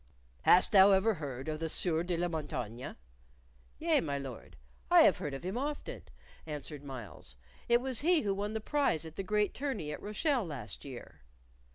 Hast thou ever heard of the Sieur de la Montaigne?" "Yea, my Lord. I have heard of him often," answered Myles. "It was he who won the prize at the great tourney at Rochelle last year."